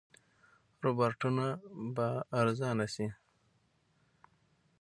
روباټونه به ارزانه شي.